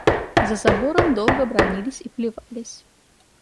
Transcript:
За забором долго бранились и плевались.